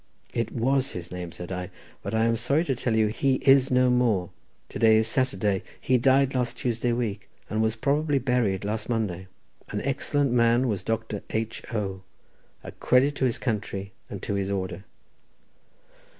"It was his name," said I, "but I am sorry to tell you he is no more. To day is Saturday. He died last Tuesday week, and was probably buried last Monday. An excellent man was Dr. H. O. A credit to his country and to his order."